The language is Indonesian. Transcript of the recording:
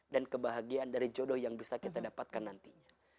dan kebahagiaan dari jodoh yang bisa kita dapatkan nantinya